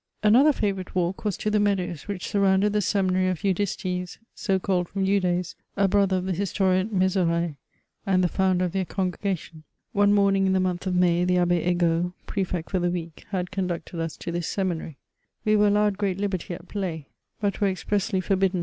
Another favourite walk was to the meadows which surrounded the seminary of Eudistes, so called from Eudes, a brother of the historian Mezerai, and the founder of their oongregation. One morning in the month of May, the Abb^ Egaultf. Pre fect for the week, had conducted us to this seminary. We were allowed great Uberty at play, but were expressly forbidden VOL. I.